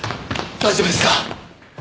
大丈夫ですか！？